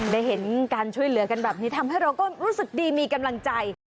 ได้เห็นการช่วยเหลือกันแบบนี้ทำให้เราก็รู้สึกดีมีกำลังใจ